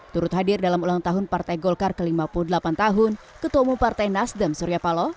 turut hadir dalam ulang tahun partai golkar ke lima puluh delapan tahun ketua umum partai nasdem surya paloh